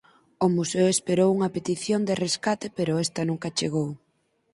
O museo esperou unha petición de rescate pero esta nunca chegou.